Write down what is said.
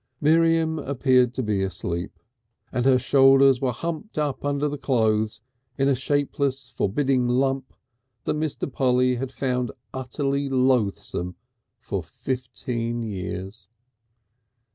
Miriam appeared to be asleep, and her shoulders were humped up under the clothes in a shapeless, forbidding lump that Mr. Polly had found utterly loathsome for fifteen years.